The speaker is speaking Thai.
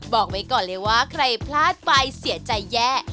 บอกไว้ก่อนเลยว่าใครพลาดไปเสียใจแย่